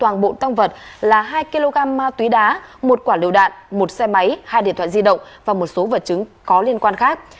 một xà cầy một cưa sắt một dao và một số vật chứng khác